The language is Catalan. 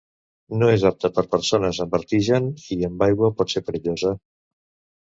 No és apta per a persones amb vertigen i amb aigua pot ser perillosa.